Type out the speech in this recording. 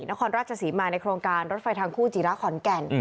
นครราชศรีมาในโครงการรถไฟทางคู่จิระขอนแก่น